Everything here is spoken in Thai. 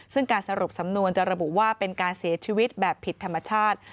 ซึ่งการสรุปสำนวนจะระบุว่าเป็นการเสียชีวิตแบบผิดธรรมชาติ